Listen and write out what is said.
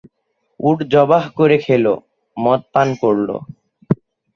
উট যবাহ করে খেল, মদপান করল।